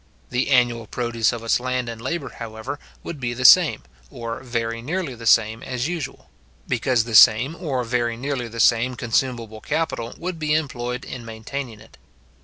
The annual produce of its land and labour, however, would be the same, or very nearly the same as usual; because the same, or very nearly the same consumable capital would be employed in maintaining it.